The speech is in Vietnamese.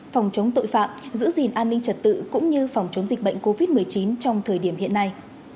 phòng chống tội phạm giữ gìn an ninh trật tự cũng như phòng chống dịch bệnh covid một mươi chín trong thời điểm hiện nay